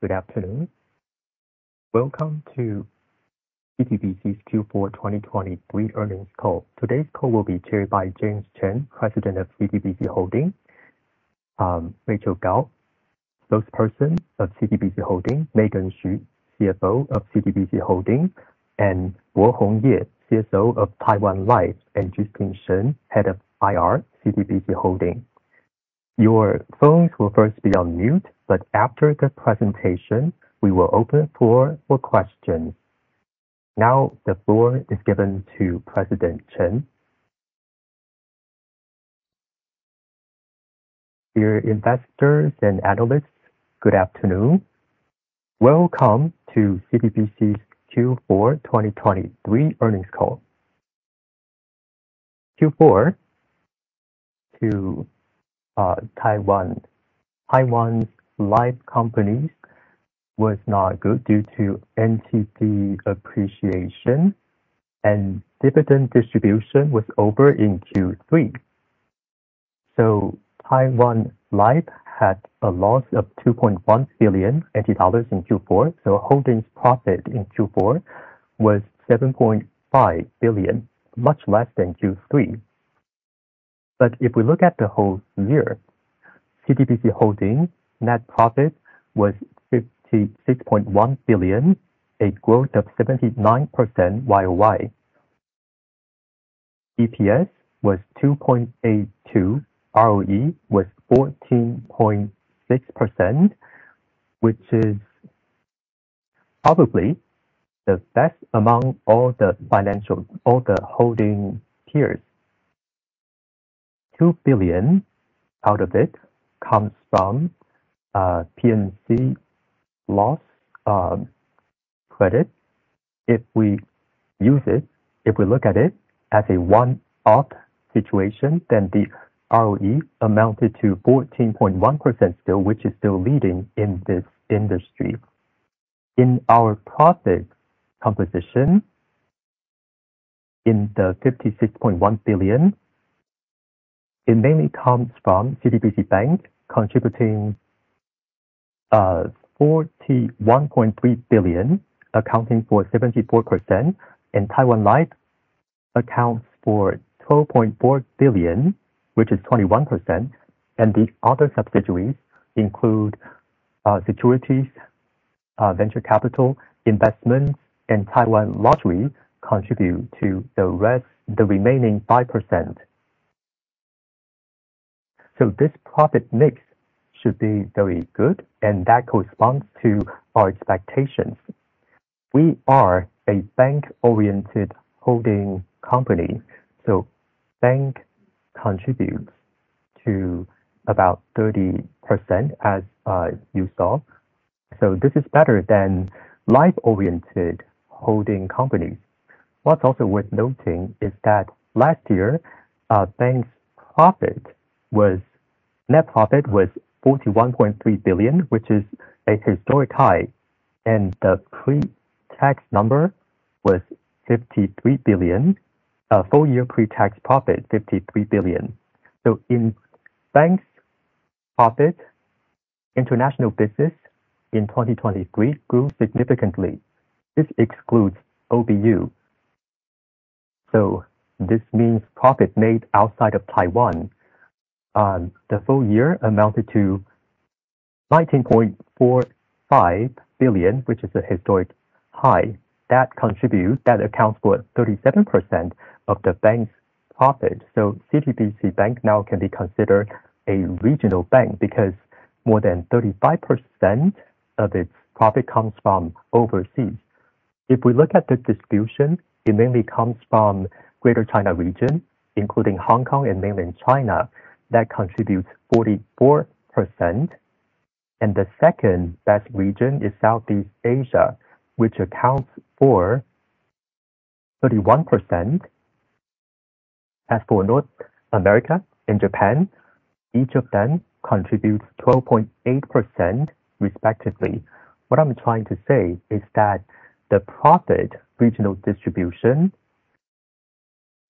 Good afternoon. Welcome to CTBC's Q4 2023 earnings call. Today's call will be chaired by James Chen, President of CTBC Holding, Rachael Kao, Spokesperson of CTBC Holding, Megan Hsu, CFO of CTBC Holding, Pai-Hung Yeh, CSO of Taiwan Life, and Justine Shen, Head of IR, CTBC Holding. Your phones will first be on mute, but after the presentation, we will open the floor for questions. Now, the floor is given to President Chen. Dear investors and analysts, good afternoon. Welcome to CTBC's Q4 2023 earnings call. Q4 to Taiwan Life Company was not good due to NTD appreciation, and dividend distribution was over in Q3. Taiwan Life had a loss of NTD 2.1 billion in Q4. Holdings' profit in Q4 was NTD 7.5 billion, much less than Q3. If we look at the whole year, CTBC Holding net profit was NTD 56.1 billion, a growth of 79% YOY. EPS was 2.82, ROE was 14.6%, which is probably the best among all the holding peers. NTD 2 billion out of it comes from P&C loss credit. If we look at it as a one-off situation, the ROE amounted to 14.1% still, which is still leading in this industry. In our profit composition, in the NTD 56.1 billion, it mainly comes from CTBC Bank, contributing NTD 41.3 billion, accounting for 74%, and Taiwan Life accounts for NTD 12.4 billion, which is 21%, and the other subsidiaries include securities, venture capital investments, and Taiwan Lottery contribute to the remaining 5%. This profit mix should be very good, and that corresponds to our expectations. We are a bank-oriented holding company. Bank contributes to about 30%, as you saw. This is better than life-oriented holding companies. What's also worth noting is that last year, bank's net profit was NTD 41.3 billion, which is a historic high, and the full-year pre-tax profit, NTD 53 billion. In bank's profit, international business in 2023 grew significantly. This excludes OBU. This means profit made outside of Taiwan. The full year amounted to NTD 19.45 billion, which is a historic high. That accounts for 37% of the bank's profit. CTBC Bank now can be considered a regional bank because more than 35% of its profit comes from overseas. If we look at the distribution, it mainly comes from the Greater China region, including Hong Kong and mainland China. That contributes 44%. The second-best region is Southeast Asia, which accounts for 31%. As for North America and Japan, each of them contributes 12.8% respectively. What I'm trying to say is that the profit regional distribution,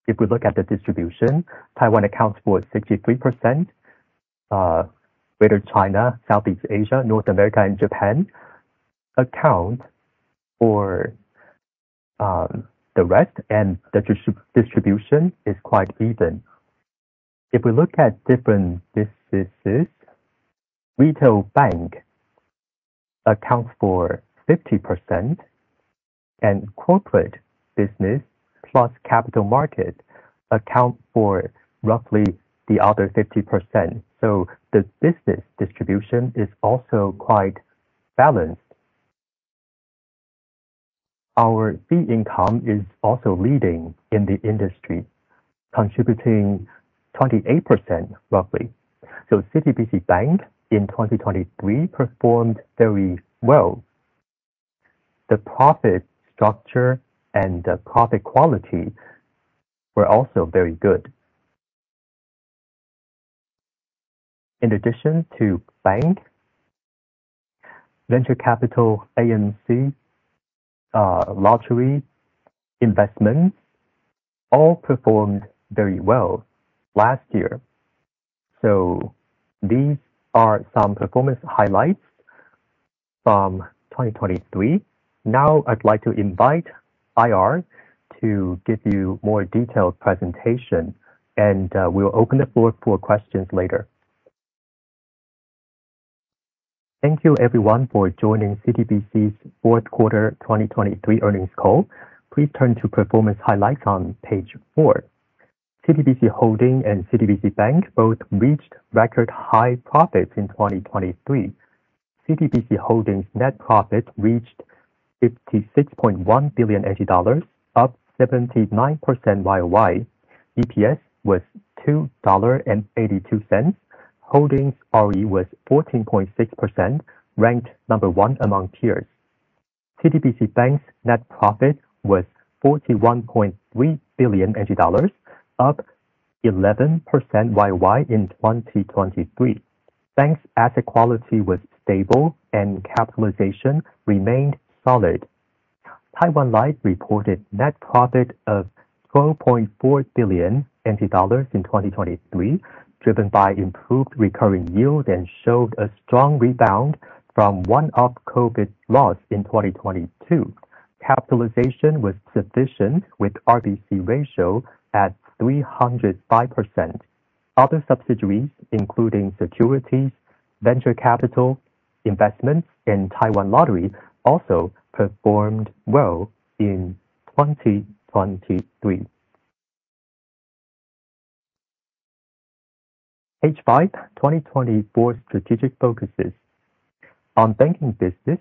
if we look at the distribution, Taiwan accounts for 63%, Greater China, Southeast Asia, North America, and Japan account for the rest, and the distribution is quite even. If we look at different businesses, retail bank accounts for 50%, and corporate business plus capital market account for roughly the other 50%. The business distribution is also quite balanced. Our fee income is also leading in the industry, contributing 28%, roughly. CTBC Bank in 2023 performed very well. The profit structure and the profit quality were also very good. In addition to bank, venture capital, AMC, lottery, investment, all performed very well last year. These are some performance highlights from 2023. Now I'd like to invite IR to give you more detailed presentation, and we'll open the floor for questions later. Thank you everyone for joining CTBC Financial Holding's fourth quarter 2023 earnings call. Please turn to performance highlights on page four. CTBC Holding and CTBC Bank both reached record high profits in 2023. CTBC Holding's net profit reached NTD 56.1 billion, up 79% YOY. EPS was NTD 2.82. Holding's ROE was 14.6%, ranked number one among peers. CTBC Bank's net profit was NTD 41.3 billion, up 11% YOY in 2023. Bank's asset quality was stable and capitalization remained solid. Taiwan Life reported net profit of NTD 12.4 billion in 2023, driven by improved recurring yield, and showed a strong rebound from one-off COVID loss in 2022. Capitalization was sufficient, with RBC ratio at 305%. Other subsidiaries, including securities, venture capital, investments in Taiwan Lottery, also performed well in 2023. Page five, 2024 strategic focuses. On banking business,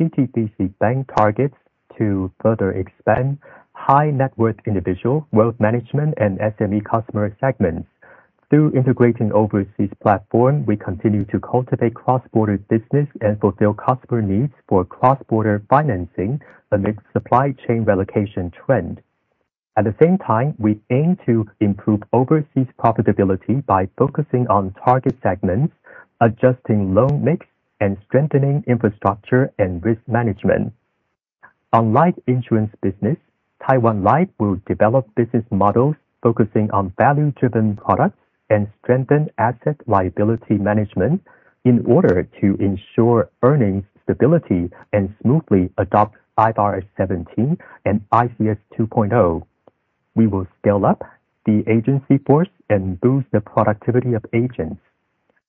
CTBC Bank targets to further expand high net worth individual wealth management and SME customer segments. Through integrating overseas platform, we continue to cultivate cross-border business and fulfill customer needs for cross-border financing amidst supply chain relocation trend. At the same time, we aim to improve overseas profitability by focusing on target segments, adjusting loan mix, and strengthening infrastructure and risk management. On life insurance business, Taiwan Life will develop business models focusing on value-driven products and strengthen asset liability management in order to ensure earnings stability and smoothly adopt IFRS 17 and ICS 2.0. We will scale up the agency force and boost the productivity of agents.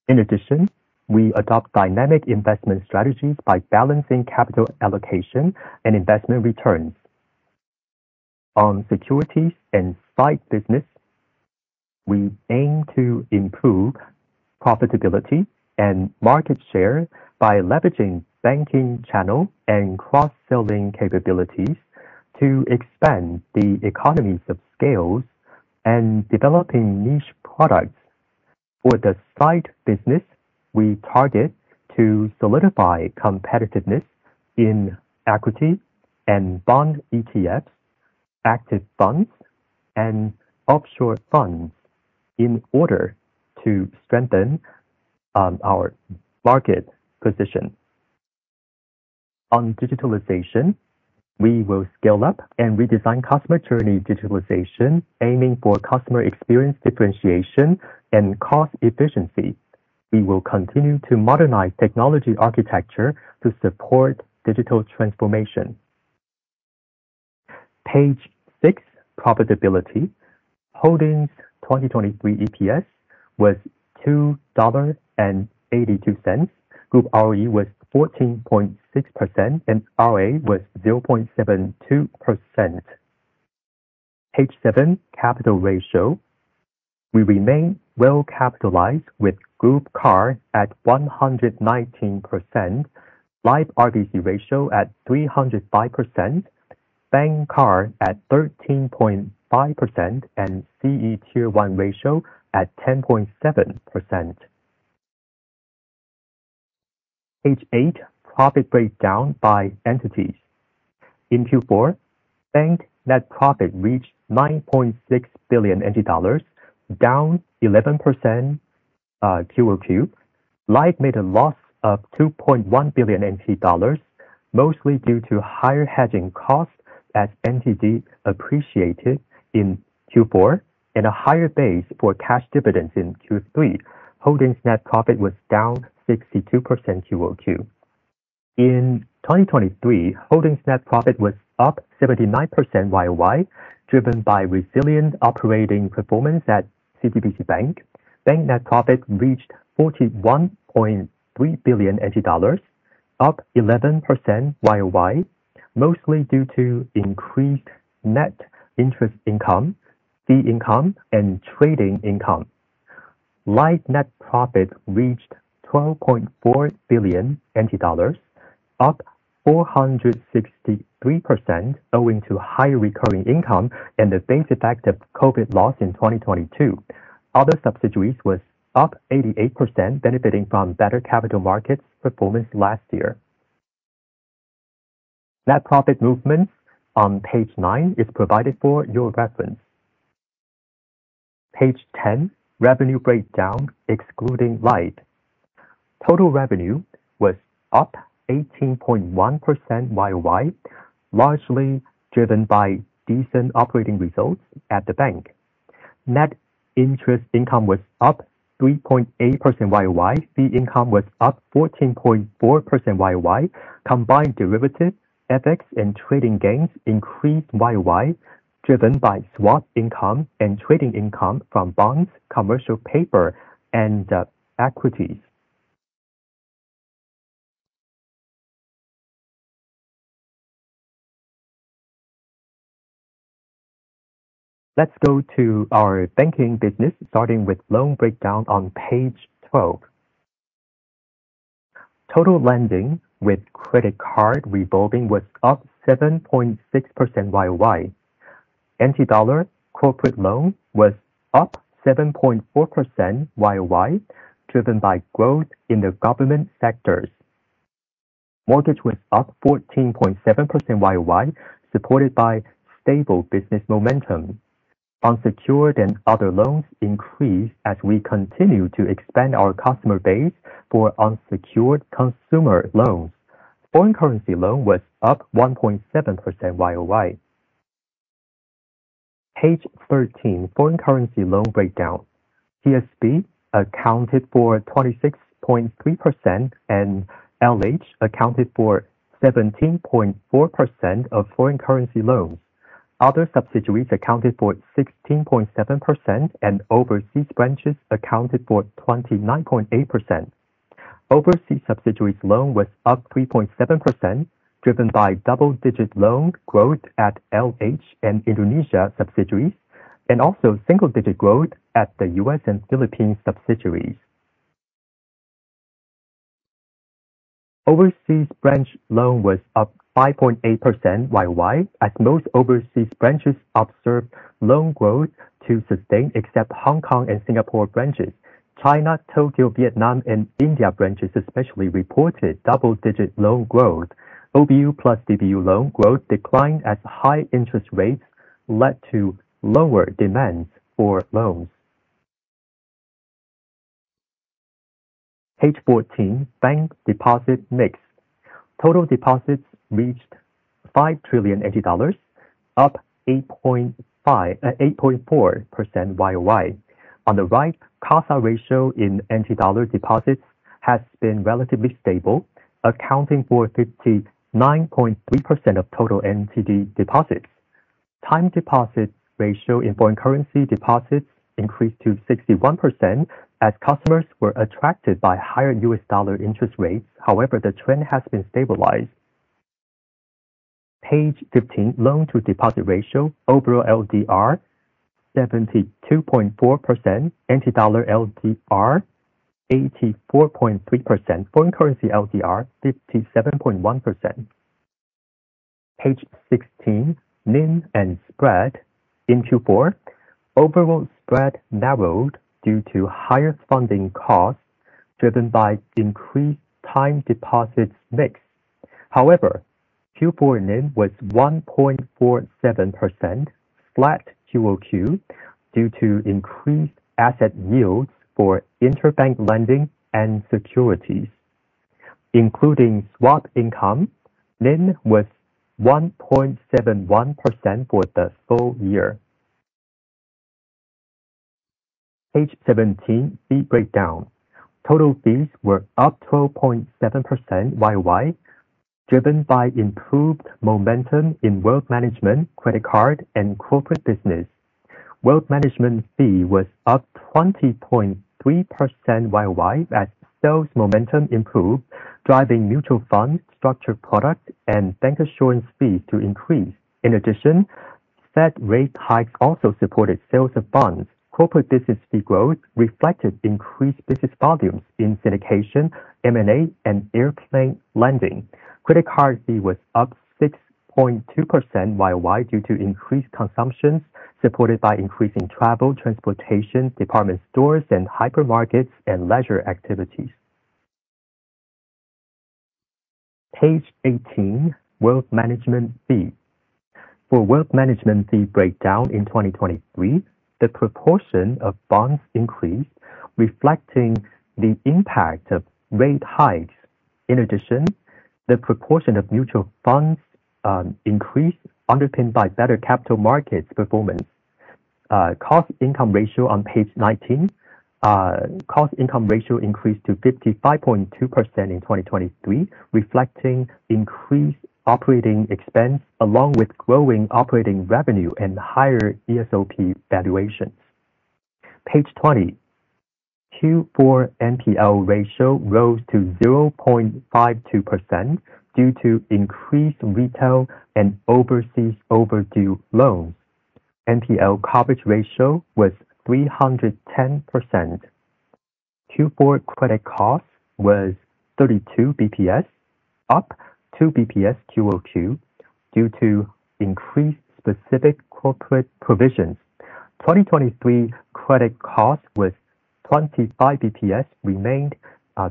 In addition, we adopt dynamic investment strategies by balancing capital allocation and investment returns. On securities and SITE business, we aim to improve profitability and market share by leveraging banking channel and cross-selling capabilities to expand the economies of scales and developing niche products. For the SITE business, we target to solidify competitiveness in equity and bond ETFs, active funds, and offshore funds in order to strengthen our market position. On digitalization, we will scale up and redesign customer journey digitalization, aiming for customer experience differentiation and cost efficiency. We will continue to modernize technology architecture to support digital transformation. Page six, profitability. Holding's 2023 EPS was NTD 2.82. Group ROE was 14.6%, and ROA was 0.72%. Page seven, capital ratio. We remain well-capitalized with group CAR at 119%, Life RBC ratio at 305%, Bank CAR at 13.5%, and CET1 ratio at 10.7%. Page eight, profit breakdown by entities. In Q4, Bank net profit reached NTD 9.6 billion, down 11% QOQ. Life made a loss of NTD 2.1 billion, mostly due to higher hedging costs as NTD appreciated in Q4, and a higher base for cash dividends in Q3. Holding's net profit was down 62% QOQ. In 2023, Holding's net profit was up 79% YOY, driven by resilient operating performance at CTBC Bank. Bank net profit reached NTD 41.3 billion, up 11% YOY, mostly due to increased net interest income, fee income, and trading income. Life net profit reached NTD 12.4 billion, up 463%, owing to higher recurring income and the base effect of COVID loss in 2022. Other subsidiaries was up 88%, benefiting from better capital markets performance last year. Net profit movements on page nine is provided for your reference. Page 10, revenue breakdown excluding Life. Total revenue was up 18.1% YOY, largely driven by decent operating results at the Bank. Net interest income was up 3.8% YOY. Fee income was up 14.4% YOY. Combined derivative, FX and trading gains increased YOY, driven by swap income and trading income from bonds, commercial paper, and equities. Let's go to our banking business, starting with loan breakdown on page 12. Total lending with credit card revolving was up 7.6% year-over-year. NTD corporate loan was up 7.4% year-over-year, driven by growth in the government sectors. Mortgage was up 14.7% year-over-year, supported by stable business momentum. Unsecured and other loans increased as we continue to expand our customer base for unsecured consumer loans. Foreign currency loan was up 1.7% year-over-year. Page 13, foreign currency loan breakdown. CSB accounted for 26.3%, and LH accounted for 17.4% of foreign currency loans. Other subsidiaries accounted for 16.7%, and overseas branches accounted for 29.8%. Overseas subsidiaries loan was up 3.7%, driven by double-digit loan growth at LH and Indonesia subsidiaries, and also single-digit growth at the U.S. and Philippine subsidiaries. Overseas branch loan was up 5.8% year-over-year, as most overseas branches observed loan growth to sustain, except Hong Kong and Singapore branches. China, Tokyo, Vietnam, and India branches especially reported double-digit loan growth. OBU plus DBU loan growth declined as high interest rates led to lower demands for loans. Page 14, bank deposit mix. Total deposits reached NTD 5 trillion, up 8.4% year-over-year. On the right, CASA ratio in NTD deposits has been relatively stable, accounting for 59.3% of total NTD deposits. Time deposit ratio in foreign currency deposits increased to 61%, as customers were attracted by higher U.S. dollar interest rates. However, the trend has been stabilized. Page 15, loan-to-deposit ratio. Overall LDR, 72.4%. NTD LDR, 84.3%. Foreign currency LDR, 57.1%. Page 16, NIM and spread. In Q4, overall spread narrowed due to higher funding costs, driven by increased time deposits mix. However, Q4 NIM was 1.47%, flat quarter-over-quarter, due to increased asset yields for interbank lending and securities. Including swap income, NIM was 1.71% for the full year. Page 17, fee breakdown. Total fees were up 12.7% year-over-year, driven by improved momentum in wealth management, credit card, and corporate business. Wealth management fee was up 20.3% year-over-year as sales momentum improved, driving mutual funds, structured products, and bank assurance fees to increase. In addition, Fed rate hikes also supported sales of bonds. Corporate business fee growth reflected increased business volumes in syndication, M&A, and aircraft lending. Credit card fee was up 6.2% year-over-year due to increased consumptions, supported by increasing travel, transportation, department stores and hypermarkets, and leisure activities. Page 18, wealth management fee. For wealth management fee breakdown in 2023, the proportion of bonds increased, reflecting the impact of rate hikes. In addition, the proportion of mutual funds increased, underpinned by better capital markets performance. Cost income ratio on page 19. Cost income ratio increased to 55.2% in 2023, reflecting increased operating expense along with growing operating revenue and higher ESOP valuations. Page 20. Q4 NPL ratio rose to 0.52% due to increased retail and overseas overdue loans. NPL coverage ratio was 310%. Q4 credit cost was 32 basis points, up 2 basis points quarter-over-quarter, due to increased specific corporate provisions. 2023 credit cost was 25 basis points, remained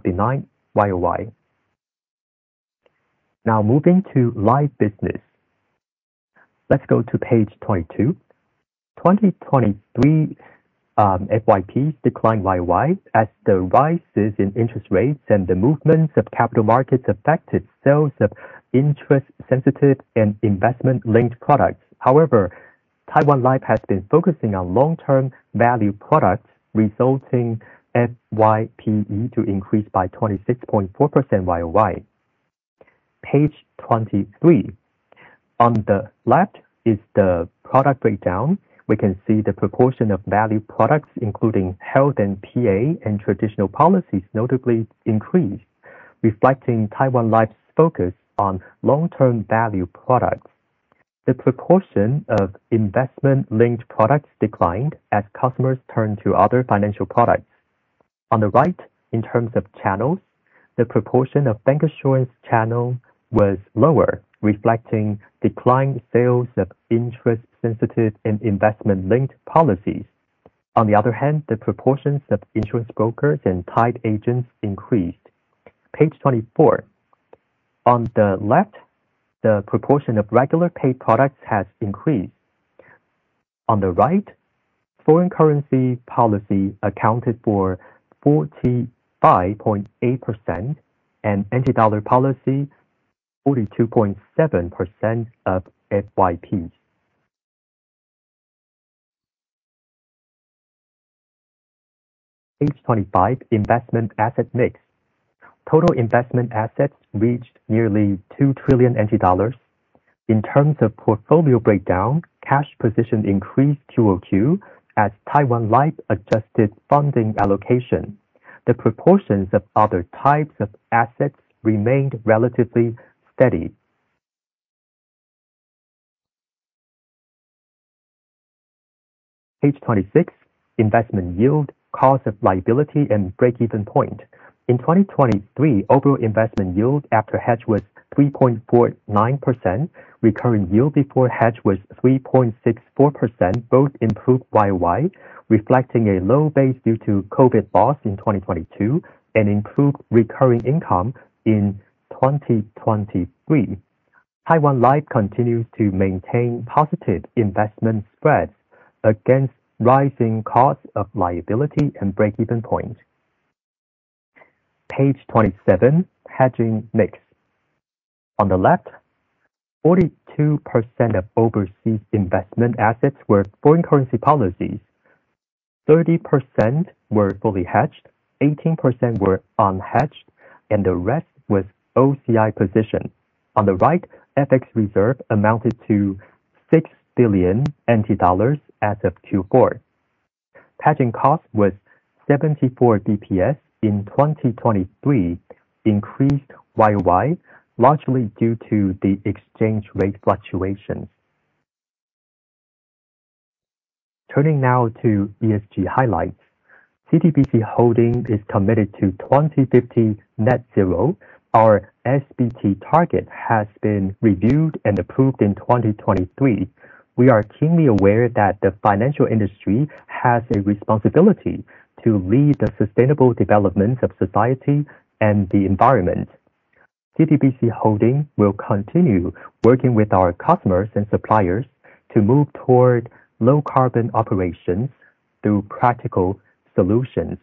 benign year-over-year. Now moving to life business. Let's go to page 22. 2023 FYPs declined year-over-year as the rises in interest rates and the movements of capital markets affected sales of interest sensitive and investment-linked products. However, Taiwan Life has been focusing on long-term value products, resulting FYPE to increase by 26.4% year-over-year. Page 23. On the left is the product breakdown. We can see the proportion of value products, including health and PA, and traditional policies notably increased, reflecting Taiwan Life's focus on long-term value products. The proportion of investment-linked products declined as customers turned to other financial products. On the right, in terms of channels, the proportion of bancassurance channel was lower, reflecting declined sales of interest sensitive and investment-linked policies. On the other hand, the proportions of insurance brokers and paid agents increased. Page 24. On the left, the proportion of regular paid products has increased. On the right, foreign currency policy accounted for 45.8% and NTD policy 42.7% of FYP. Page 25, investment asset mix. Total investment assets reached nearly NTD 2 trillion. In terms of portfolio breakdown, cash position increased QOQ as Taiwan Life adjusted funding allocation. The proportions of other types of assets remained relatively steady. Page 26, investment yield, cost of liability, and break-even point. In 2023, overall investment yield after hedge was 3.49%. Recurring yield before hedge was 3.64%, both improved Y-Y, reflecting a low base due to COVID loss in 2022 and improved recurring income in 2023. Taiwan Life continues to maintain positive investment spreads against rising costs of liability and break-even point. Page 27, hedging mix. On the left, 42% of overseas investment assets were foreign currency policies, 30% were fully hedged, 18% were unhedged, and the rest was OCI position. On the right, FX reserve amounted to NTD 6 billion as of Q4. Hedging cost was 74 BPS in 2023, increased Y-Y, largely due to the exchange rate fluctuations. Turning now to ESG highlights. CTBC Holding is committed to 2050 net zero. Our SBT target has been reviewed and approved in 2023. We are keenly aware that the financial industry has a responsibility to lead the sustainable development of society and the environment. CTBC Holding will continue working with our customers and suppliers to move toward low-carbon operations through practical solutions.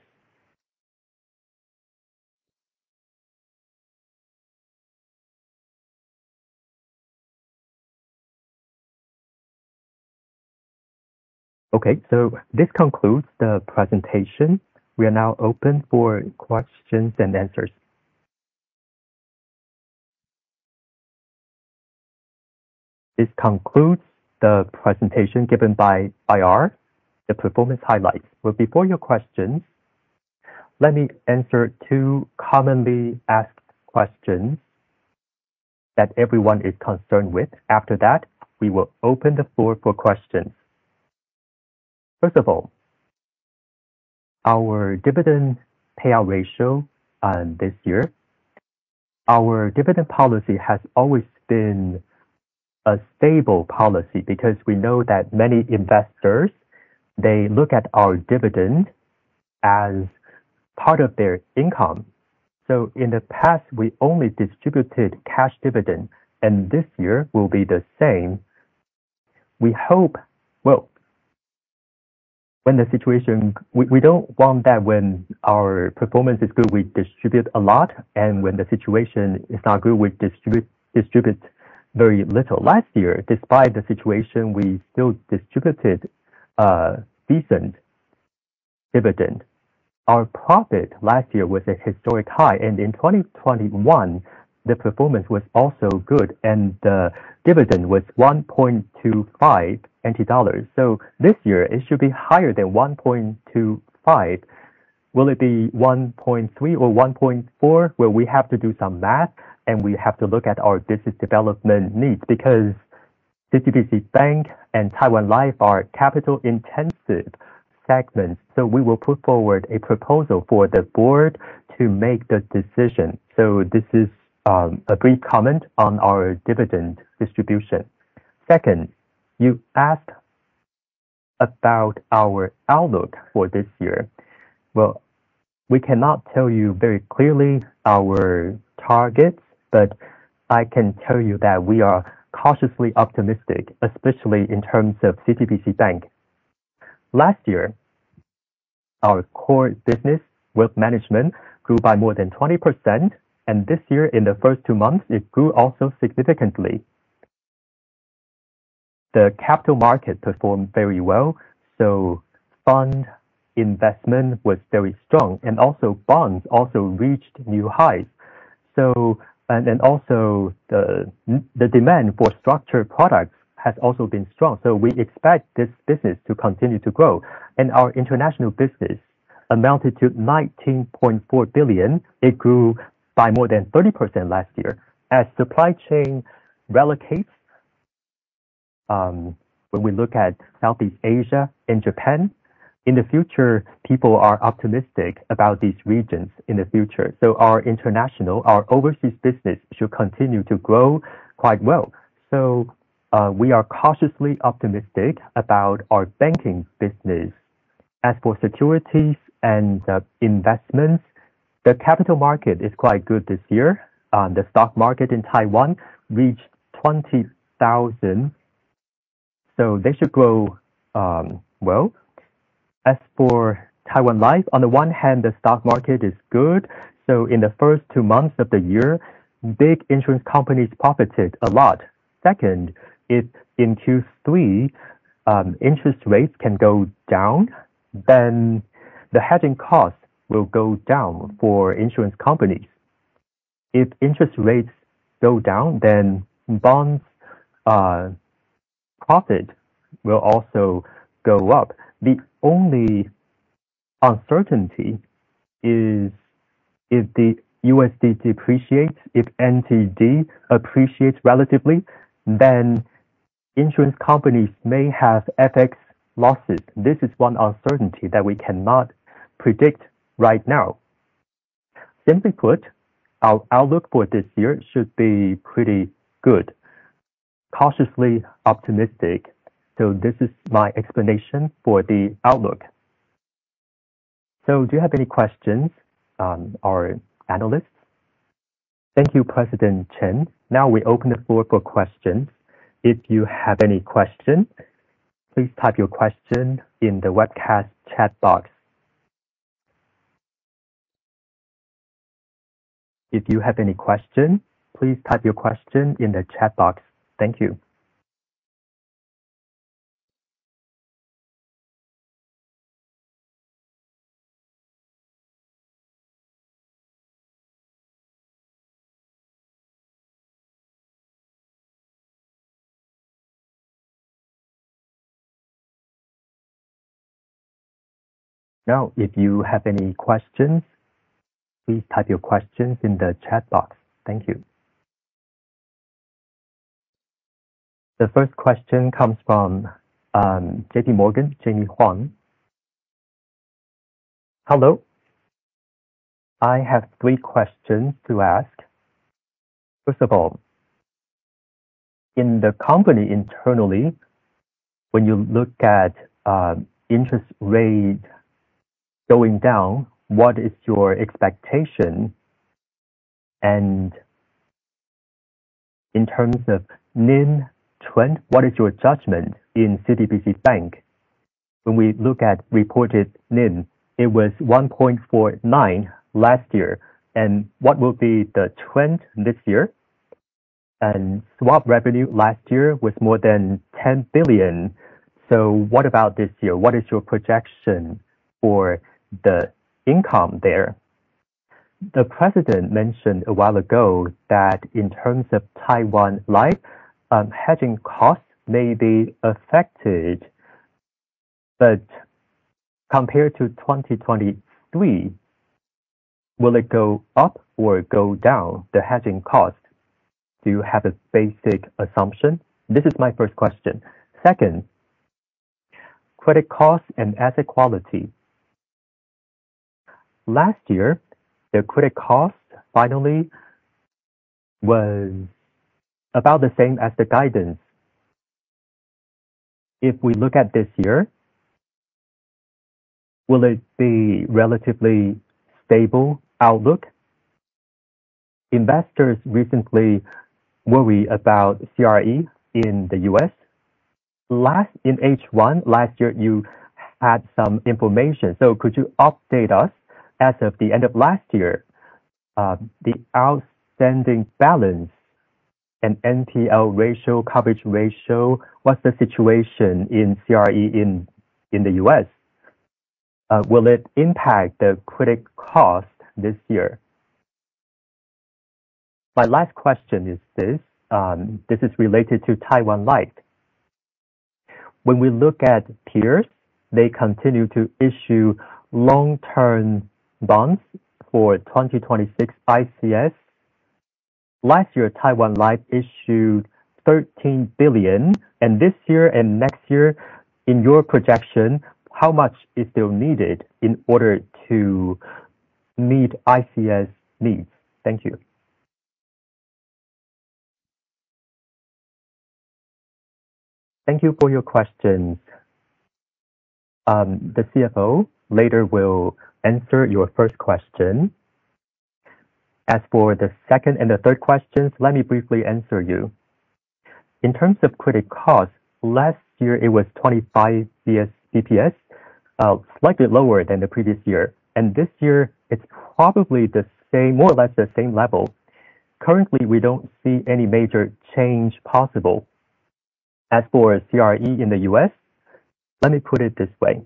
This concludes the presentation. We are now open for questions and answers. This concludes the presentation given by IR. The performance highlights. Before your questions, let me answer two commonly asked questions that everyone is concerned with. After that, we will open the floor for questions. First of all, our dividend payout ratio on this year. Our dividend policy has always been a stable policy because we know that many investors, they look at our dividend as part of their income. In the past, we only distributed cash dividend, and this year will be the same. We don't want that when our performance is good, we distribute a lot, and when the situation is not good, we distribute very little. Last year, despite the situation, we still distributed a decent dividend. Our profit last year was a historic high, and in 2021, the performance was also good, and the dividend was NTD 1.25. This year it should be higher than 1.25. Will it be 1.3 or 1.4? We have to do some math, and we have to look at our business development needs because CTBC Bank and Taiwan Life are capital-intensive segments. We will put forward a proposal for the board to make the decision. This is a brief comment on our dividend distribution. Second, you asked about our outlook for this year. We cannot tell you very clearly our targets, I can tell you that we are cautiously optimistic, especially in terms of CTBC Bank. Last year, our core business with management grew by more than 20%, and this year, in the first two months, it grew also significantly. The capital market performed very well, fund investment was very strong, and bonds also reached new heights. The demand for structured products has also been strong, we expect this business to continue to grow, and our international business amounted to 19.4 billion. It grew by more than 30% last year. As supply chain relocates, when we look at Southeast Asia and Japan, in the future, people are optimistic about these regions in the future. Our international, our overseas business should continue to grow quite well. We are cautiously optimistic about our banking business. As for securities and investments, the capital market is quite good this year. The stock market in Taiwan reached 20,000, they should grow well. As for Taiwan Life, on the one hand, the stock market is good, in the first two months of the year, big insurance companies profited a lot. Second, if in Q3, interest rates can go down, the hedging cost will go down for insurance companies. If interest rates go down, bonds profit will also go up. The only uncertainty is if the USD depreciates, if NTD appreciates relatively, insurance companies may have FX losses. This is one uncertainty that we cannot predict right now. Simply put, our outlook for this year should be pretty good. Cautiously optimistic. This is my explanation for the outlook. Do you have any questions, our analysts? Thank you, President Chen. Now we open the floor for questions. If you have any questions, please type your question in the webcast chat box. If you have any questions, please type your question in the chat box. Thank you. Now, if you have any questions, please type your questions in the chat box. Thank you. The first question comes from JP Morgan, Jamie Huang. Hello. I have three questions to ask. First of all, in the company internally, when you look at interest rates going down, what is your expectation? In terms of NIM trend, what is your judgment in CTBC Bank? When we look at reported NIM, it was 1.49 last year, and what will be the trend this year? Swap revenue last year was more than 10 billion, what about this year? What is your projection for the income there? The President mentioned a while ago that in terms of Taiwan Life, hedging costs may be affected, compared to 2023, will it go up or go down, the hedging cost? Do you have a basic assumption? This is my first question. Second, credit cost and asset quality. Last year, the credit cost finally was about the same as the guidance. We look at this year, will it be relatively stable outlook? Investors recently worry about CRE in the U.S. In H1 last year, you had some information. Could you update us as of the end of last year, the outstanding balance and NPL ratio, coverage ratio, what's the situation in CRE in the U.S.? Will it impact the credit cost this year? My last question is this. This is related to Taiwan Life. When we look at peers, they continue to issue long-term bonds for 2026 ICS. Last year, Taiwan Life issued 13 billion, this year and next year, in your projection, how much is still needed in order to meet ICS needs? Thank you. Thank you for your questions. The CFO later will answer your first question. As for the second and the third questions, let me briefly answer you. In terms of credit cost, last year it was 25 basis points, slightly lower than the previous year. This year it's probably more or less the same level. Currently, we don't see any major change possible. As for CRE in the U.S., let me put it this way.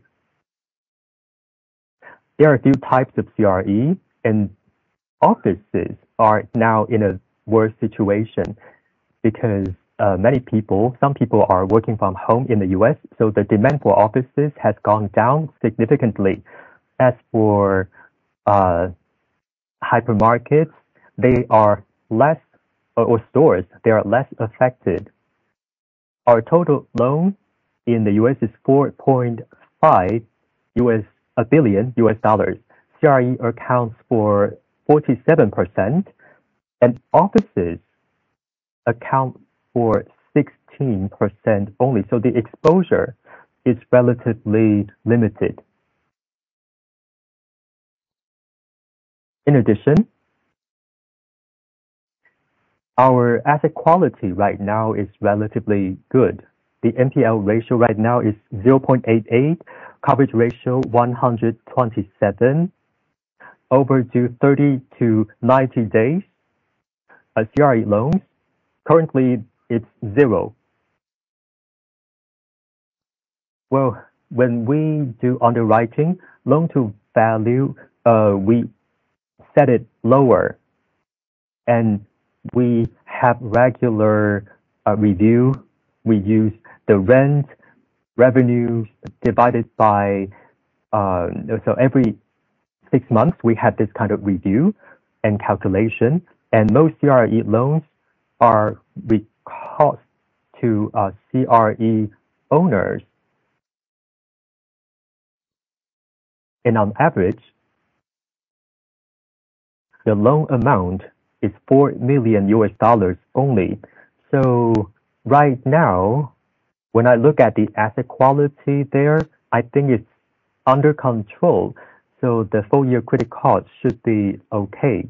There are a few types of CRE, offices are now in a worse situation because some people are working from home in the U.S., so the demand for offices has gone down significantly. As for hypermarkets or stores, they are less affected. Our total loan in the U.S. is $4.5 billion. CRE accounts for 47%, offices account for 16% only. The exposure is relatively limited. In addition, our asset quality right now is relatively good. The NPL ratio right now is 0.88%, coverage ratio 127%, overdue 30 to 90 days CRE loans, currently it's zero. Well, when we do underwriting loan-to-value, we set it lower and we have regular review. We use the rent revenue divided by. Every six months we have this kind of review and calculation, and most CRE loans are recourse to CRE owners. On average, the loan amount is $4 million only. Right now, when I look at the asset quality there, I think it's under control. The full-year credit cost should be okay.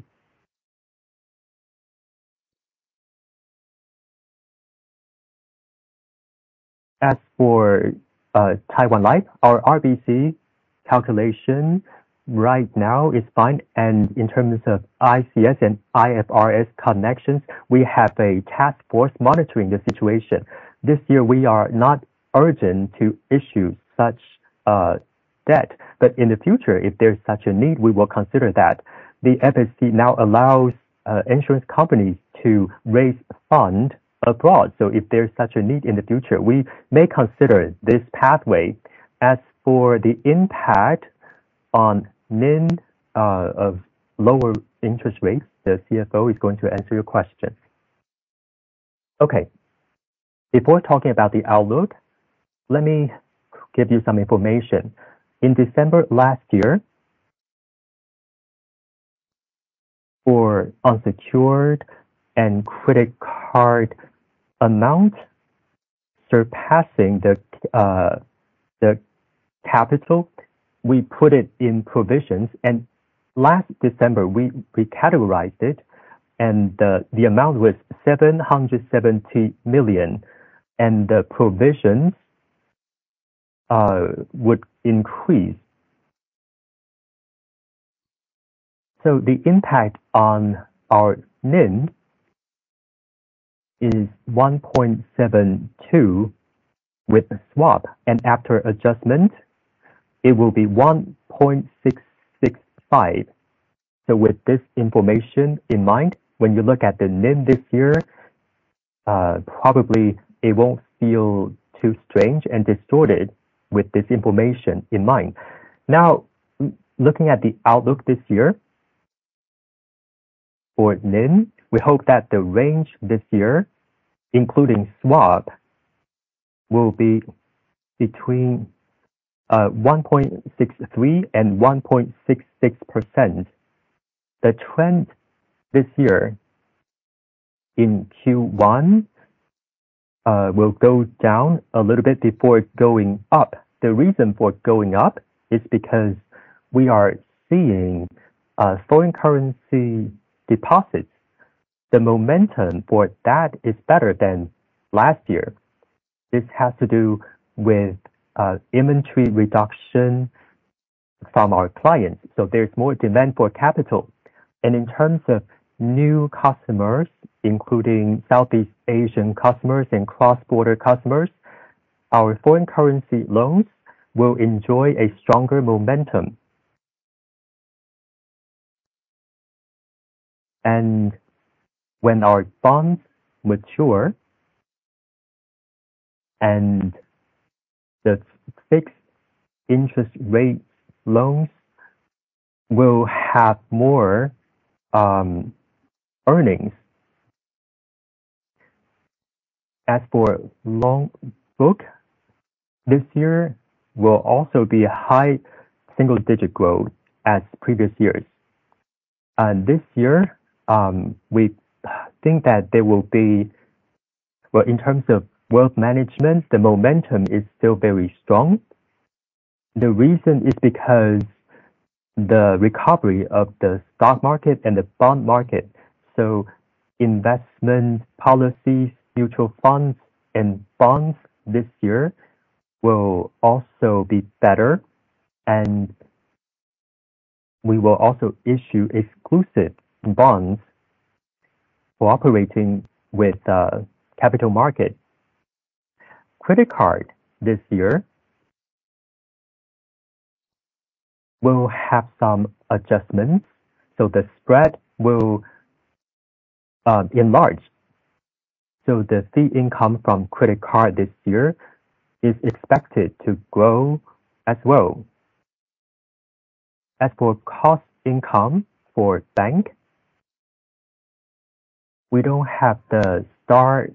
As for Taiwan Life, our RBC calculation right now is fine. In terms of ICS and IFRS connections, we have a task force monitoring the situation. This year we are not urgent to issue such debt, but in the future, if there's such a need, we will consider that. The FSC now allows insurance companies to raise funds abroad. If there's such a need in the future, we may consider this pathway. As for the impact on NIM of lower interest rates, the CFO is going to answer your question. Okay. Before talking about the outlook, let me give you some information. In December last year, for unsecured and credit card amount surpassing the capital, we put it in provisions, and last December we recategorized it and the amount was 770 million, and the provisions would increase. The impact on our NIM is 1.72 with swap, and after adjustment it will be 1.665. With this information in mind, when you look at the NIM this year, probably it won't feel too strange and distorted with this information in mind. Now looking at the outlook this year for NIM, we hope that the range this year, including swap, will be between 1.63% and 1.66%. The trend this year in Q1 will go down a little bit before going up. The reason for going up is because we are seeing foreign currency deposits. The momentum for that is better than last year. This has to do with inventory reduction from our clients, there's more demand for capital. In terms of new customers, including Southeast Asian customers and cross-border customers, our foreign currency loans will enjoy a stronger momentum. When our bonds mature, and the fixed interest rate loans will have more earnings. This year will also be a high single-digit growth as previous years. This year, we think that there will be in terms of wealth management, the momentum is still very strong. The reason is because the recovery of the stock market and the bond market, investment policies, mutual funds, and bonds this year will also be better. We will also issue exclusive bonds for operating with the capital market. Credit card this year will have some adjustments. The spread will enlarge. The fee income from credit card this year is expected to grow as well. As for cost income for bank, we don't have the star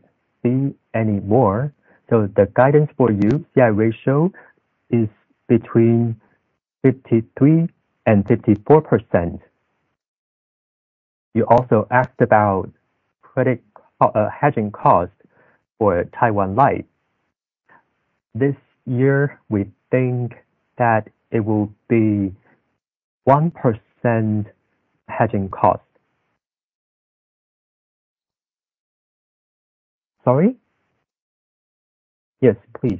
fee anymore. The guidance for CI ratio is between 53% and 54%. You also asked about hedging cost for Taiwan Life. This year, we think that it will be 1% hedging cost. Sorry? Yes, please.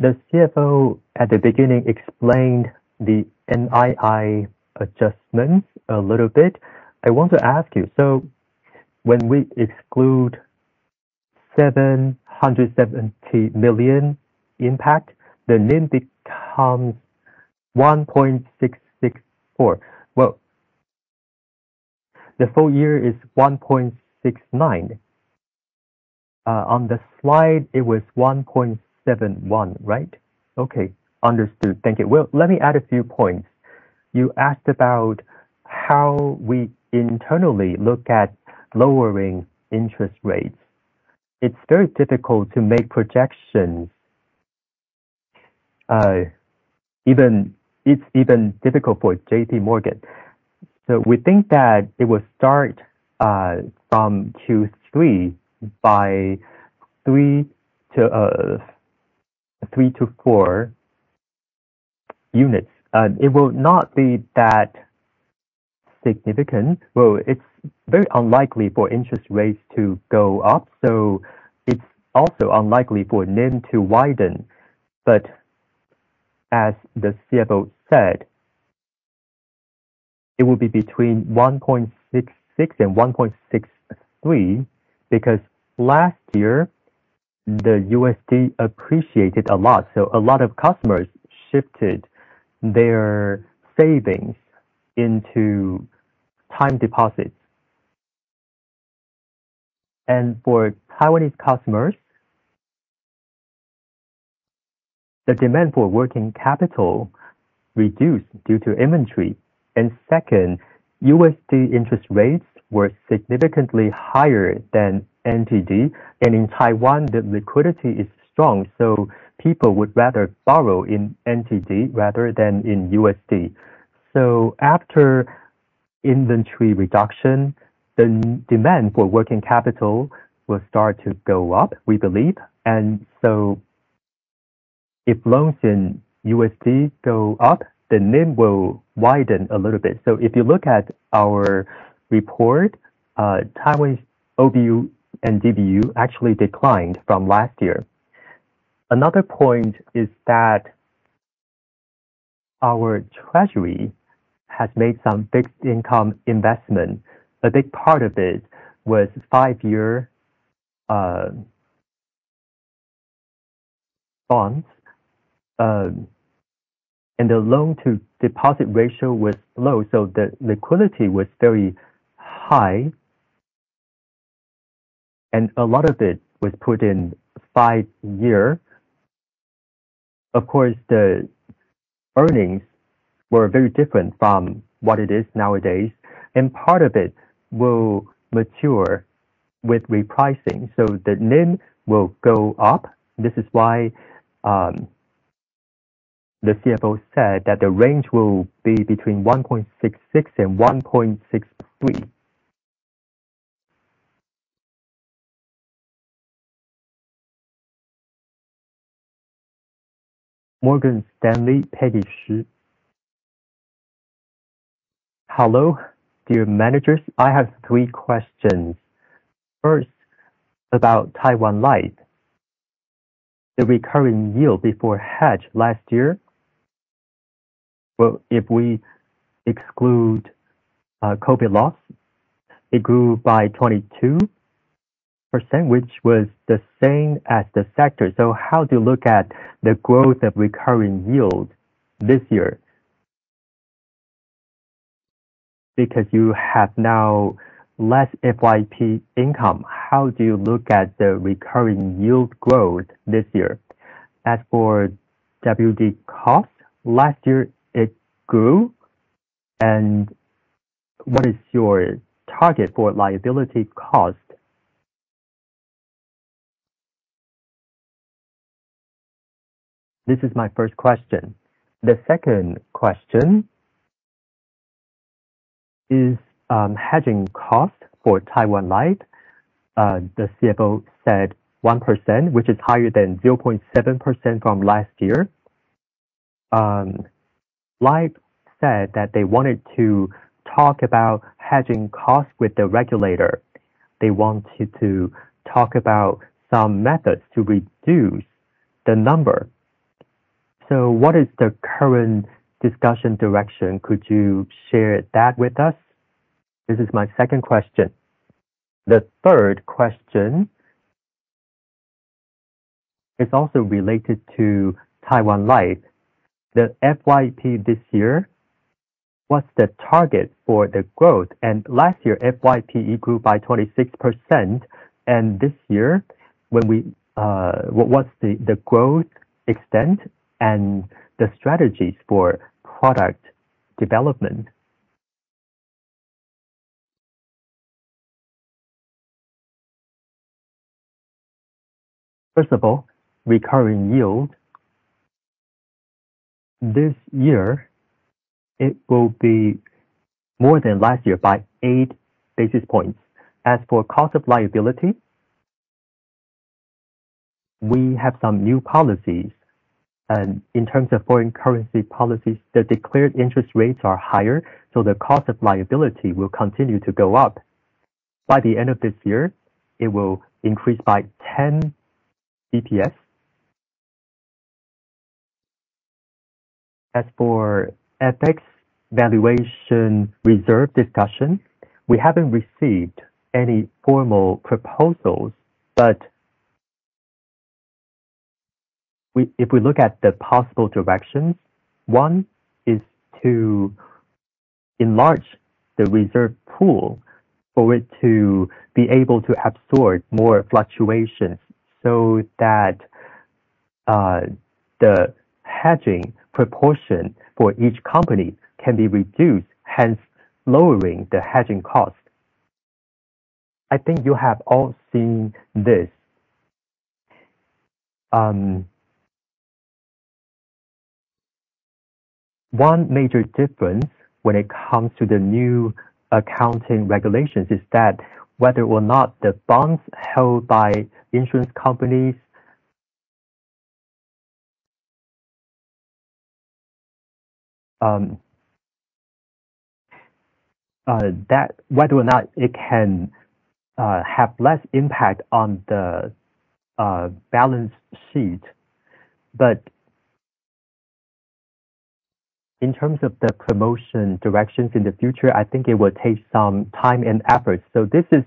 The CFO at the beginning explained the NII adjustments a little bit. I want to ask you. When we exclude NTD 770 million impact, the NIM becomes 1.664. The full year is 1.69. On the slide, it was 1.71, right? Okay, understood. Thank you. Let me add a few points. You asked about how we internally look at lowering interest rates. It's very difficult to make projections. It's even difficult for JP Morgan. We think that it will start from Q3 by 3 to 4 units. It will not be that significant. It's very unlikely for interest rates to go up. It's also unlikely for NIM to widen. As the CFO said, it will be between 1.66 and 1.63 because last year, the USD appreciated a lot. A lot of customers shifted their savings into time deposits. For Taiwanese customers, the demand for working capital reduced due to inventory. Second, USD interest rates were significantly higher than NTD. In Taiwan, the liquidity is strong. People would rather borrow in NTD rather than in USD. After inventory reduction, the demand for working capital will start to go up, we believe. If loans in USD go up, the NIM will widen a little bit. If you look at our report, Taiwanese OBU and DBU actually declined from last year. Another point is that our treasury has made some fixed income investment. A big part of it was 5-year bonds. The loan-to-deposit ratio was low. The liquidity was very high. A lot of it was put in 5 years. Of course, the earnings were very different from what it is nowadays. Part of it will mature with repricing. The NIM will go up. This is why the CFO said that the range will be between 1.66 and 1.63. Morgan Stanley, Peggy Shih. Hello, dear managers. I have 3 questions. First, about Taiwan Life. The recurring yield before hedge last year, if we exclude COVID loss, it grew by 22%, which was the same as the sector. How do you look at the growth of recurring yield this year? Because you have now less FYP income, how do you look at the recurring yield growth this year? As for WD cost, last year, it grew. What is your target for liability cost? This is my first question. The second question is hedging cost for Taiwan Life. The CFO said 1%, which is higher than 0.7% from last year. Taiwan Life said that they wanted to talk about hedging costs with the regulator. They wanted to talk about some methods to reduce the number. What is the current discussion direction? Could you share that with us? This is my second question. The third question is also related to Taiwan Life. The FYP this year, what is the target for the growth? Last year, FYPE grew by 26%, and this year what is the growth extent and the strategies for product development? First of all, recurring yield. This year, it will be more than last year by eight basis points. As for cost of liability, we have some new policies. In terms of foreign currency policies, the declared interest rates are higher, so the cost of liability will continue to go up. By the end of this year, it will increase by 10 BPS. As for FX valuation reserve discussion, we haven't received any formal proposals, but if we look at the possible directions, one is to enlarge the reserve pool for it to be able to absorb more fluctuations so that the hedging proportion for each company can be reduced, hence lowering the hedging cost. I think you have all seen this. One major difference when it comes to the new accounting regulations is that whether or not the bonds held by insurance companies, whether or not it can have less impact on the balance sheet. In terms of the promotion directions in the future, I think it will take some time and effort. This is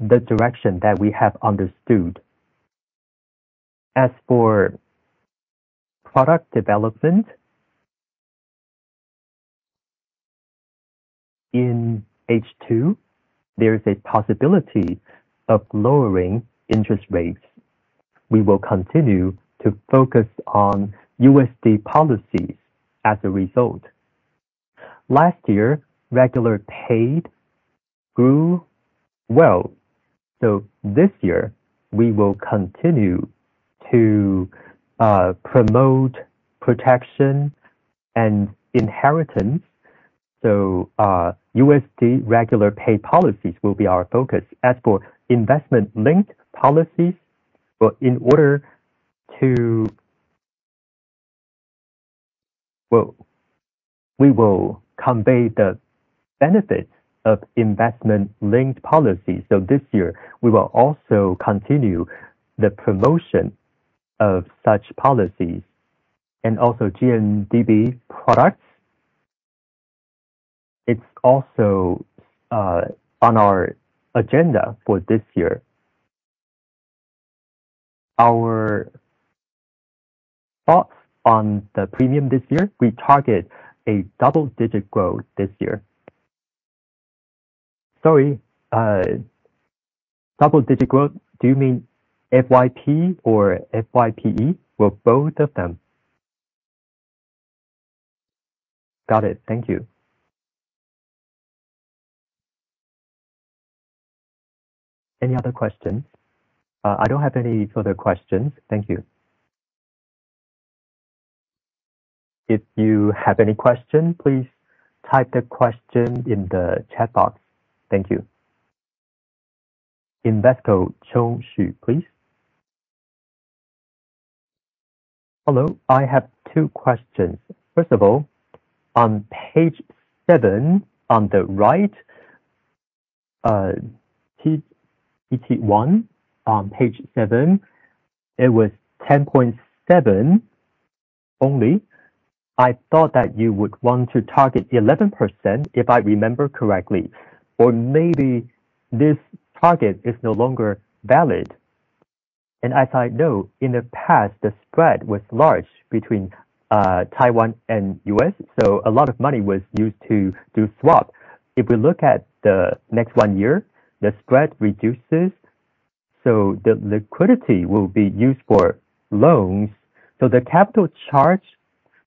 the direction that we have understood. As for product development in H2, there is a possibility of lowering interest rates. We will continue to focus on USD policies as a result. Last year, regular paid grew well. This year, we will continue to promote protection and inheritance. USD regular pay policies will be our focus. As for investment-linked policies, we will convey the benefits of investment-linked policies. This year, we will also continue the promotion of such policies and also GMDB products. It is also on our agenda for this year. Our thoughts on the premium this year, we target a double-digit growth this year. Sorry, double-digit growth. Do you mean FYP or FYPE? Well, both of them. Got it. Thank you. Any other questions? I don't have any further questions. Thank you. If you have any questions, please type the question in the chat box. Thank you. Invesco, Chong Xu, please. Hello. I have two questions. First of all, on page seven on the right, CET1 on page seven, it was 10.7 only. I thought that you would want to target 11%, if I remember correctly. Or maybe this target is no longer valid. As I know, in the past, the spread was large between Taiwan and U.S., so a lot of money was used to do swap. If we look at the next one year, the spread reduces. The liquidity will be used for loans. The capital charge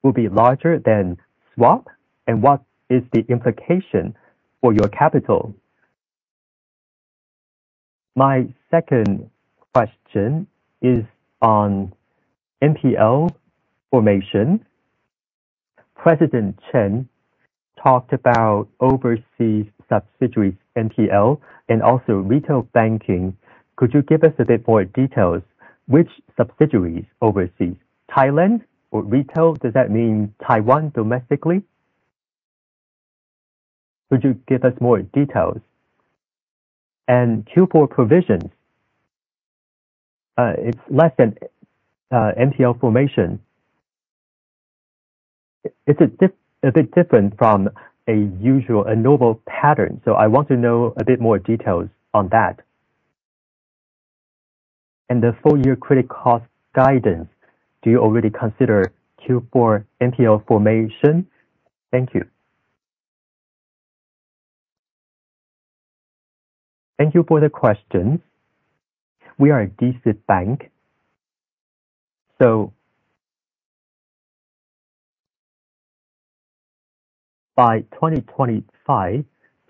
will be larger than swap, and what is the implication for your capital? My second question is on NPL formation. President Chen talked about overseas subsidiaries NPL and also retail banking. Could you give us a bit more details? Which subsidiaries overseas? Thailand? For retail, does that mean Taiwan domestically? Could you give us more details? Q4 provisions, it's less than NPL formation. It's a bit different from a usual annual pattern, I want to know a bit more details on that. The full year credit cost guidance, do you already consider Q4 NPL formation? Thank you. Thank you for the question. We are a decent bank. By 2025,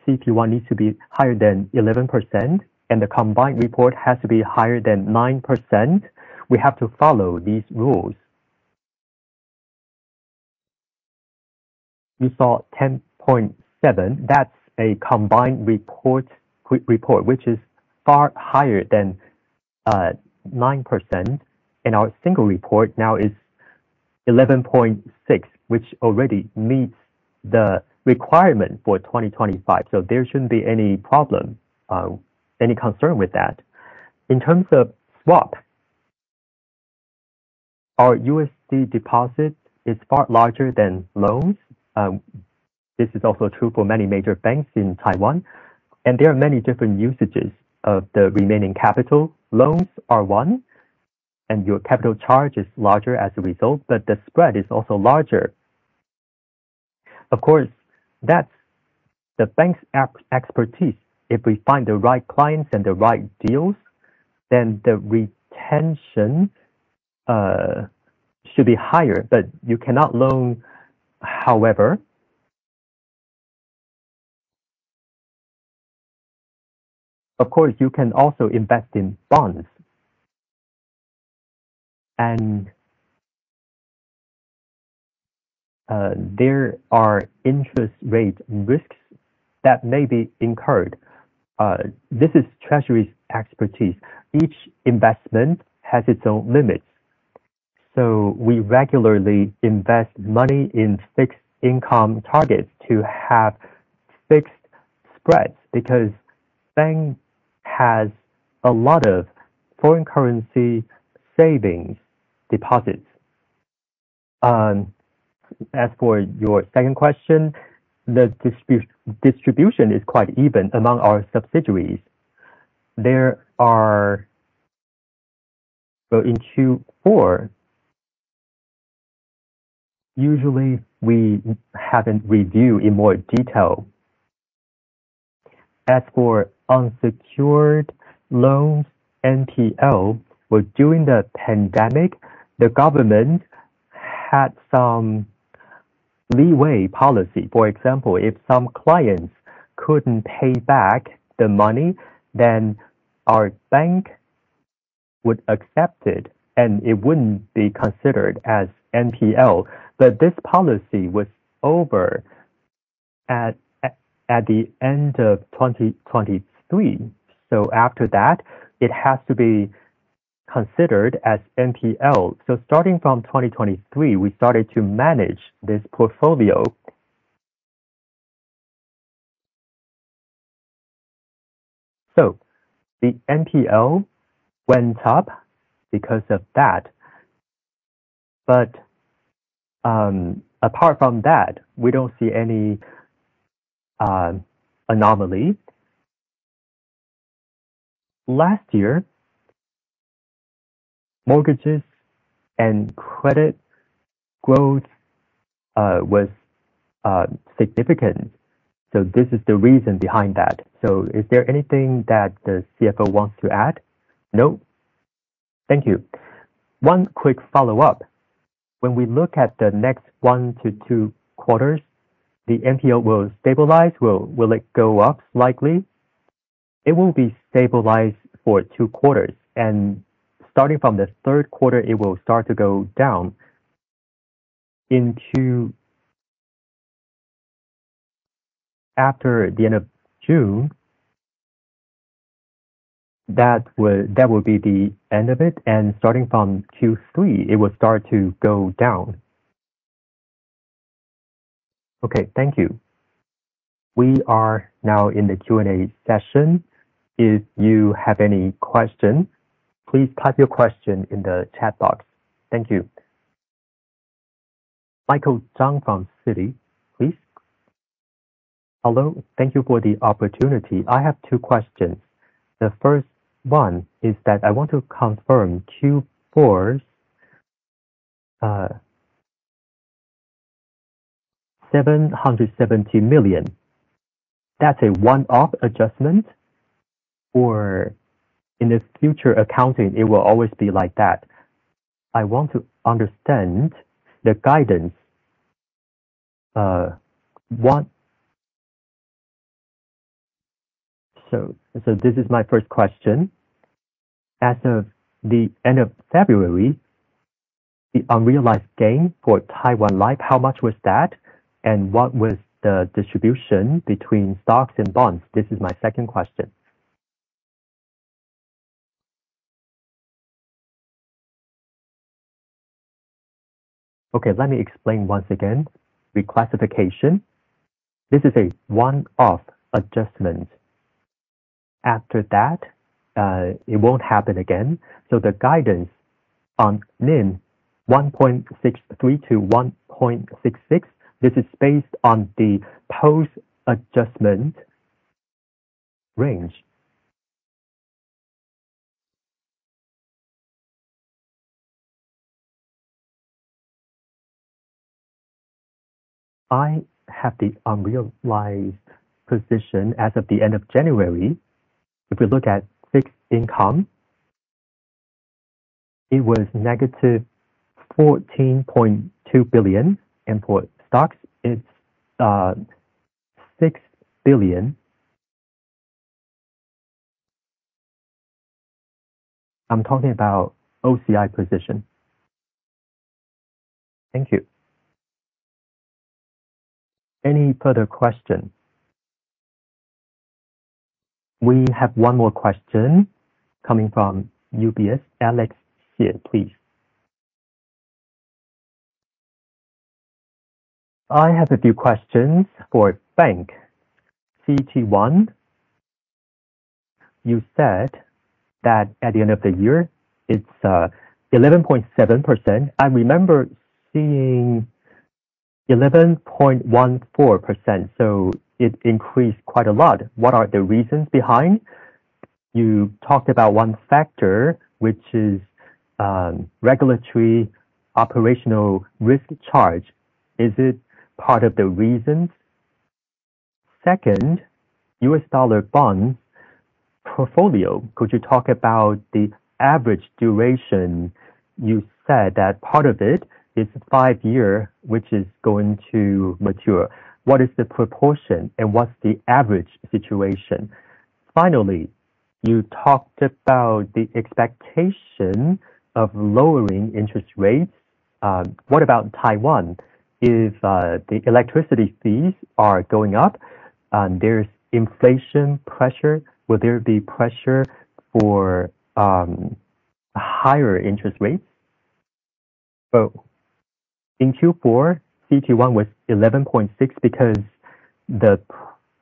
CET1 needs to be higher than 11%, and the combined report has to be higher than 9%. We have to follow these rules. We saw 10.7. That's a combined report, which is far higher than 9%, and our single report now is 11.6, which already meets the requirement for 2025. There shouldn't be any problem, any concern with that. In terms of swap, our USD deposit is far larger than loans. This is also true for many major banks in Taiwan, and there are many different usages of the remaining capital. Loans are one, your capital charge is larger as a result, the spread is also larger. Of course, that's the bank's expertise. If we find the right clients and the right deals, the retention should be higher, you cannot loan however. Of course, you can also invest in bonds, there are interest rate risks that may be incurred. This is Treasury's expertise. Each investment has its own limits. We regularly invest money in fixed income targets to have fixed spreads because the bank has a lot of foreign currency savings deposits. As for your second question, the distribution is quite even among our subsidiaries. In Q4, usually we have it reviewed in more detail. As for unsecured loans, NPL, during the pandemic, the government had some leeway policy. For example, if some clients couldn't pay back the money, our bank would accept it wouldn't be considered as NPL. This policy was over at the end of 2023. After that, it has to be considered as NPL. Starting from 2023, we started to manage this portfolio. The NPL went up because of that. Apart from that, we don't see any anomaly. Last year, mortgages and credit growth was significant. This is the reason behind that. Is there anything that the CFO wants to add? No. Thank you. One quick follow-up. When we look at the next one to two quarters, the NPL will stabilize. Will it go up slightly? It will be stabilized for two quarters. Starting from the third quarter, it will start to go down. After the end of June, that will be the end of it, starting from Q3, it will start to go down. Okay, thank you. We are now in the Q&A session. If you have any questions, please type your question in the chat box. Thank you. Michael Chang from Citi, please. Hello. Thank you for the opportunity. I have two questions. The first one is that I want to confirm Q4's 770 million. That's a one-off adjustment. For in the future accounting, it will always be like that. I want to understand the guidance. This is my first question. As of the end of February, the unrealized gain for Taiwan Life, how much was that, and what was the distribution between stocks and bonds? This is my second question. Okay. Let me explain once again. Reclassification, this is a one-off adjustment. After that, it won't happen again. The guidance on NIM, 1.63 to 1.66. This is based on the post-adjustment range. I have the unrealized position as of the end of January. If we look at fixed income, it was negative NTD 14.2 billion. For stocks, it's NTD 6 billion. I'm talking about OCI position. Thank you. Any further question? We have one more question coming from UBS. Alex, here, please. I have a few questions for bank. CET1, you said that at the end of the year, it's 11.7%. I remember seeing 11.14%, it increased quite a lot. What are the reasons behind? You talked about one factor, which is regulatory operational risk charge. Is it part of the reasons? Second, U.S. dollar bonds portfolio. Could you talk about the average duration? You said that part of it is five-year, which is going to mature. What is the proportion and what's the average duration? Finally, you talked about the expectation of lowering interest rates. What about Taiwan? If the electricity fees are going up, there's inflation pressure. Will there be pressure for higher interest rates? In Q4, CET1 was 11.6% because the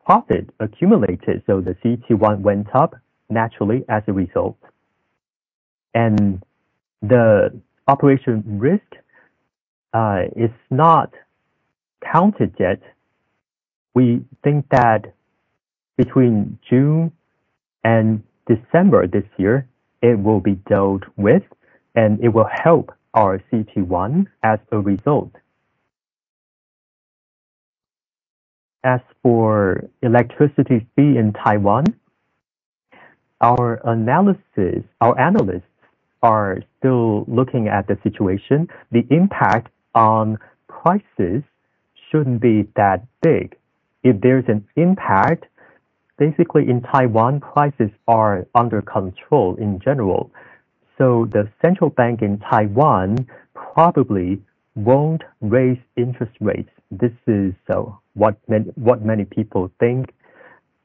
profit accumulated, the CET1 went up naturally as a result. The operational risk is not counted yet. We think that between June and December this year, it will be dealt with, and it will help our CET1 as a result. As for electricity fee in Taiwan, our analysts are still looking at the situation. The impact on prices shouldn't be that big. If there's an impact, basically in Taiwan, prices are under control in general, the central bank in Taiwan probably won't raise interest rates. This is what many people think.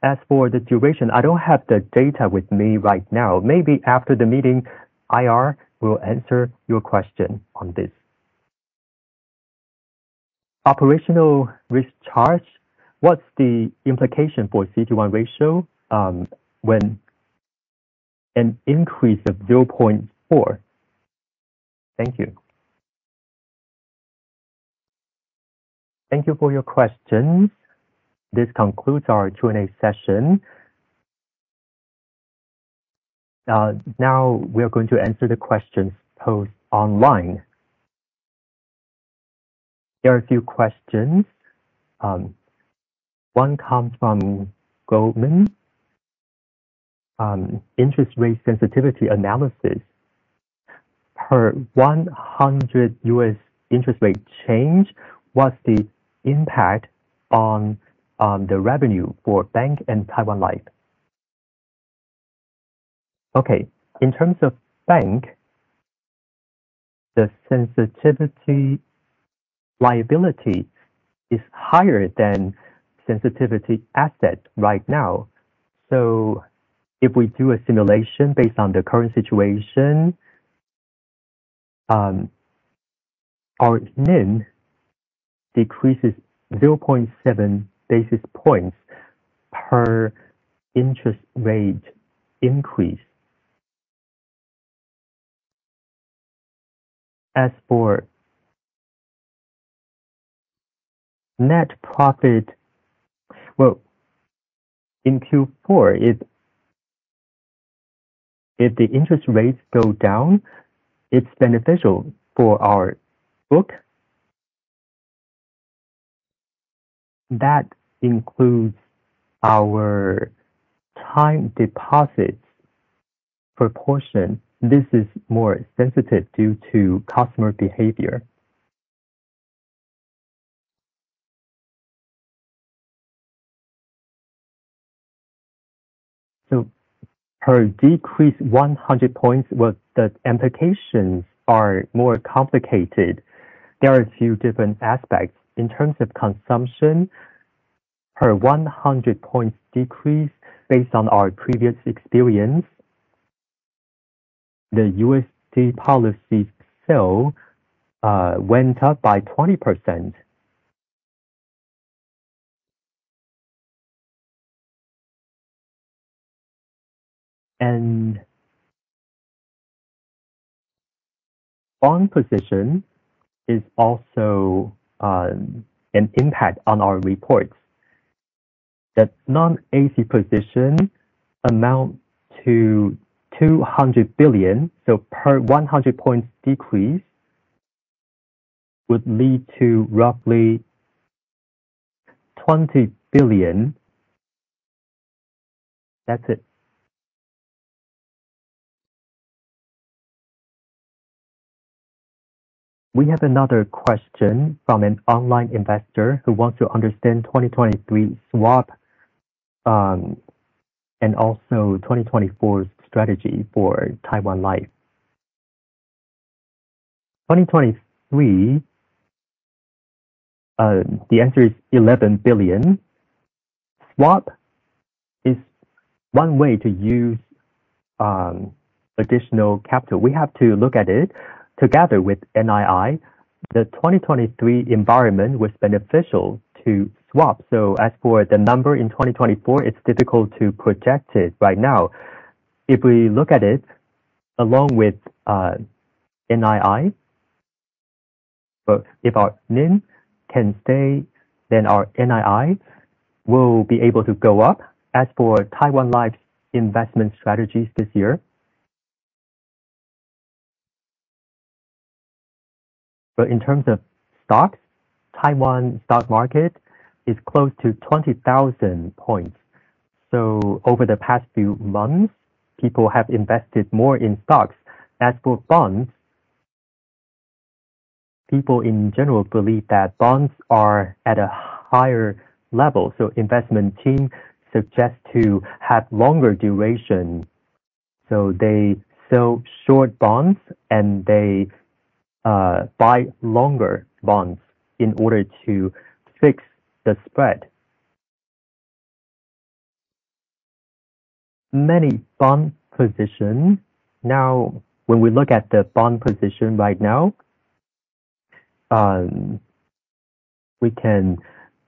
As for the duration, I don't have the data with me right now. Maybe after the meeting, IR will answer your question on this. Operational risk charge. What's the implication for CET1 ratio, when an increase of 0.4%? Thank you. Thank you for your questions. This concludes our Q&A session. Now we are going to answer the questions posed online. There are a few questions. One comes from Goldman. Interest rate sensitivity analysis. Per 100 U.S. interest rate change, what's the impact on the revenue for bank and Taiwan Life? Okay. In terms of bank, the sensitivity liability is higher than sensitivity asset right now. If we do a simulation based on the current situation, our NIM decreases 0.7 basis points per interest rate increase. As for net profit, in Q4, if the interest rates go down, it's beneficial for our book. That includes our time deposits proportion. This is more sensitive due to customer behavior. Per decrease 100 basis points, the implications are more complicated. There are a few different aspects. In terms of consumption, per 100 basis points decrease, based on our previous experience, the U.S. dollar policy sale went up by 20%. Bond position is also an impact on our reports. The non-AC position amount to NTD 200 billion, per 100 basis points decrease would lead to roughly NTD 20 billion. That's it. We have another question from an online investor who wants to understand 2023 swap, and also 2024's strategy for Taiwan Life. 2023, the answer is NTD 11 billion. Swap is one way to use additional capital. We have to look at it together with NII. The 2023 environment was beneficial to swap. As for the number in 2024, it's difficult to project it right now. If we look at it along with NII, if our NIM can stay, then our NII will be able to go up. As for Taiwan Life investment strategies this year. In terms of stocks, Taiwan stock market is close to 20,000 points. Over the past few months, people have invested more in stocks. As for bonds, people in general believe that bonds are at a higher level, investment team suggest to have longer duration. They sell short bonds and they buy longer bonds in order to fix the spread. Many bond position. Now, when we look at the bond position right now, we can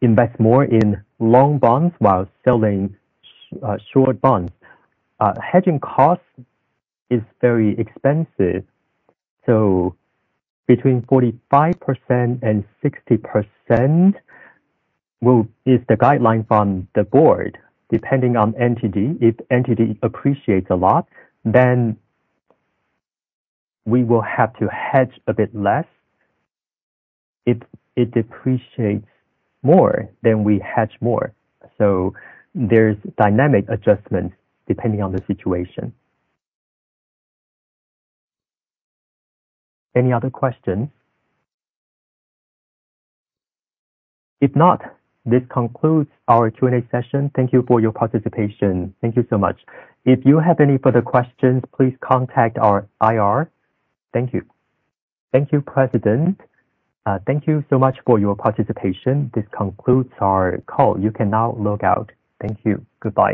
invest more in long bonds while selling short bonds. Hedging cost is very expensive, between 45% and 60% is the guideline from the board, depending on entity. If entity appreciates a lot, then we will have to hedge a bit less. If it depreciates more, then we hedge more. There's dynamic adjustments depending on the situation. Any other question? If not, this concludes our Q&A session. Thank you for your participation. Thank you so much. If you have any further questions, please contact our IR. Thank you. Thank you, President. Thank you so much for your participation. This concludes our call. You can now log out. Thank you. Goodbye